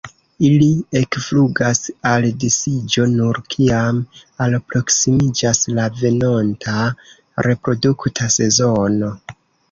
Ili ekflugas al disiĝo nur kiam alproksimiĝas la venonta reprodukta sezono.